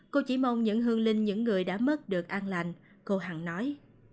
cô chỉ mong những hương linh những người đã mất được an lành cô hằng nói